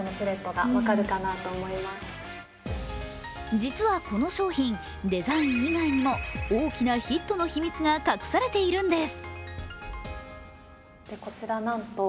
実はこの商品、デザイン以外にも大きなヒットの秘密が隠されているんです。